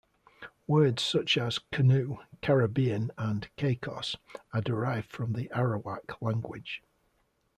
Words such as "canoe", Caribbean and "caicos" are derived from the Arawak language.